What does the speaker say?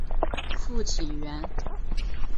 父亲袁。